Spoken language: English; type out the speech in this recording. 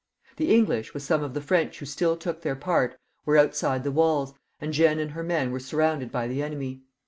The English, with some of the French who still took their part, were outside the walls, and Jeanne and her men were surrounded by the enemy.